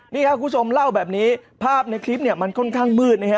นี่ครับคุณผู้ชมเล่าแบบนี้ภาพในคลิปเนี่ยมันค่อนข้างมืดนะฮะ